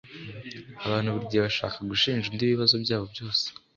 Abantu burigihe bashaka gushinja undi ibibazo byabo byose